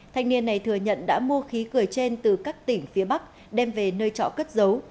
thanh niên này thừa nhận đã mua khí cười trên từ các tỉnh phía bắc đem về nơi trọ cất dấu